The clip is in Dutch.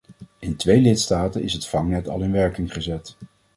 In twee lidstaten is het vangnet al in werking gezet.